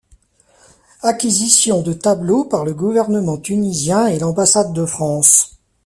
Acquisition de tableaux par le gouvernement Tunisien et l'Ambassade de France.